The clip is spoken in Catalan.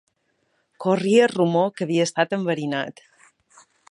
Corria el rumor que havia estat enverinat.